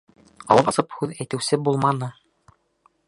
Ауыҙ асып һүҙ әйтеүсе булманы.